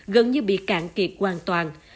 gần như bị cạn kiệt hoàn toàn